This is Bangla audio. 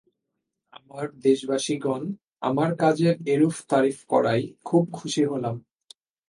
আমার দেশবাসিগণ আমার কাজের এরূপ তারিফ করায় খুব খুশী হলাম।